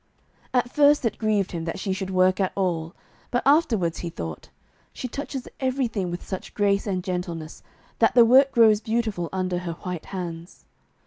At first it grieved him that she should work at all, but afterwards he thought, 'She touches everything with such grace and gentleness, that the work grows beautiful under her white hands.'